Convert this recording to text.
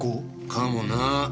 かもな。